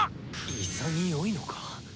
潔いのか？